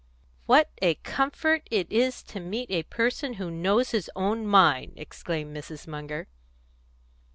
"What a comfort it is to meet a person who knows his own mind!" exclaimed Mrs. Munger.